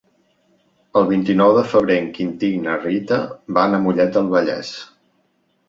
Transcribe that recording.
El vint-i-nou de febrer en Quintí i na Rita van a Mollet del Vallès.